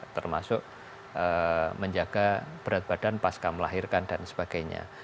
termasuk menjaga berat badan pas kamu melahirkan dan sebagainya